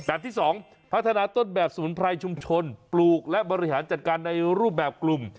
ที่๒พัฒนาต้นแบบสมุนไพรชุมชนปลูกและบริหารจัดการในรูปแบบกลุ่ม